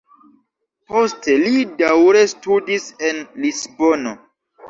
Poste li daŭre studis en Lisbono.